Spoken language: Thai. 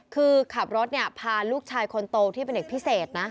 คือขับรถพาลูกชายคนโตที่เป็นเด็กพิเศษนะ